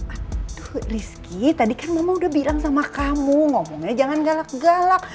aduh rizky tadi kan mama udah bilang sama kamu ngomongnya jangan galak galak